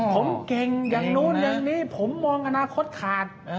ผมเก่งอย่างนู้นอย่างนี้ผมมองอนาคตขาด